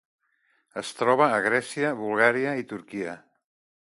Es troba a Grècia, Bulgària i Turquia.